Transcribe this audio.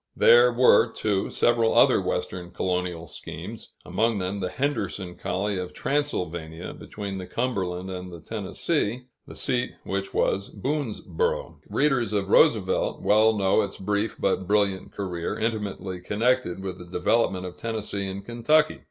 There were, too, several other Western colonial schemes, among them the Henderson colony of Transylvania, between the Cumberland and the Tennessee, the seat of which was Boonesborough. Readers of Roosevelt well know its brief but brilliant career, intimately connected with the development of Tennessee and Kentucky.